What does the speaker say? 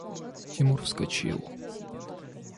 Тимур вскочил.